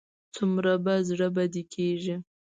څومره به زړه بدی کېږي.